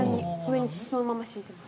そのまま置いてます。